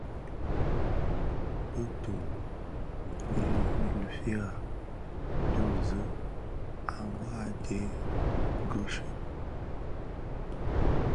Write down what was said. Bi duň yi a lufira, duñzi a mwadingusha,